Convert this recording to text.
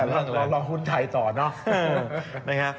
เรารอหุ้นไทยต่อเนอะ